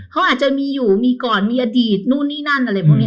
เขาอาจจะมีอยู่มีก่อนมีอดีตนู่นนี่นั่นอะไรพวกนี้